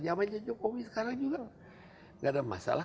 zaman jokowi sekarang juga gak ada masalah